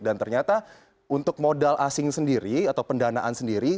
dan ternyata untuk modal asing sendiri atau pendanaan sendiri